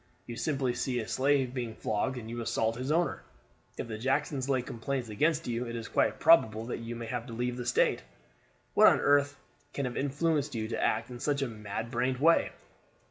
You simply see a slave being flogged and you assault his owner. If the Jacksons lay complaints against you it is quite probable that you may have to leave the state. What on earth can have influenced you to act in such a mad brained way?"